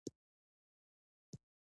ملالۍ په لوړ ځای کې ودرېدلې وه.